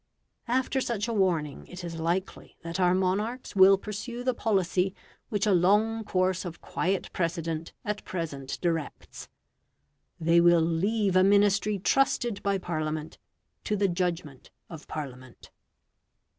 After such a warning, it is likely that our monarchs will pursue the policy which a long course of quiet precedent at present directs they will leave a Ministry trusted by Parliament to the judgment of Parliament.